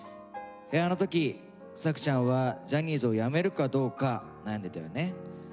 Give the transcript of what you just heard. あの時作ちゃんはジャニーズをやめるかどうか悩んでたよね。